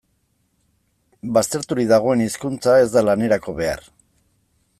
Bazterturik dagoen hizkuntza ez da lanerako behar.